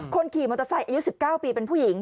คนขี่มอเตอร์ไซค์อายุ๑๙ปีเป็นผู้หญิง